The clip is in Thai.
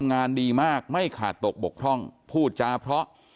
งานดีมากไม่ขาดตกบกพร่องพูดจาเพราะ